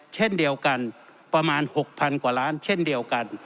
เช่นเดียวกันประมาณ๖๐๐๐กว่าล้านเช่นเดียวกัน